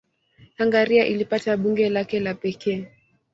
Hungaria ilipata bunge lake la pekee.